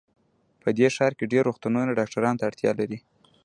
په دې ښار کې ډېر روغتونونه ډاکټرانو ته اړتیا لري